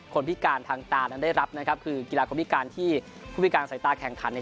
พิการทางตานั้นได้รับนะครับคือกีฬาคนพิการที่ผู้พิการใส่ตาแข่งขันเนี่ย